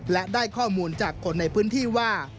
และได้ข้อมูลจากคนในพื้นที่ว่า